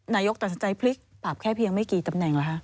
นายกตัดสินใจพลิกปรับแค่เพียงไม่กี่ตำแหน่งเหรอคะ